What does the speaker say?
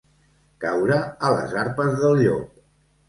Caure a les arpes del llop.